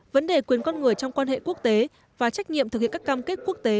vấn đề quyền con người trong quan hệ quốc tế và trách nhiệm thực hiện các cam kết quốc tế